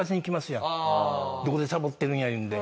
どこでサボってるんやいうんで。